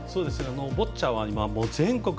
ボッチャは全国